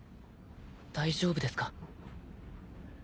大丈夫ですか？